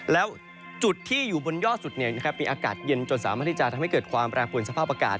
แล้วจุดที่อยู่บนยอดสุดมีอากาศเย็นจนสามารถที่จะทำให้เกิดความแปรปวนสภาพอากาศ